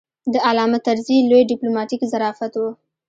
د علامه طرزي لوی ډیپلوماتیک ظرافت و.